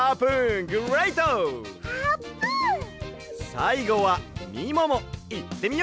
さいごはみももいってみよう！